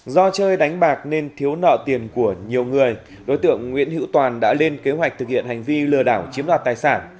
do chơi đánh bạc nên thiếu nợ tiền của nhiều người đối tượng nguyễn hữu toàn đã lên kế hoạch thực hiện hành vi lừa đảo chiếm đoạt tài sản